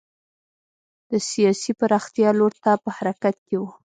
د سیاسي پراختیا لور ته په حرکت کې و.